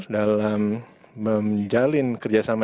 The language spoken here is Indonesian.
dalam menjalin kerjasama